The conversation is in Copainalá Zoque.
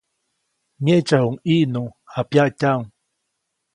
Myeʼtsaʼuŋ ʼIʼnu, japyaʼtyaʼuŋ.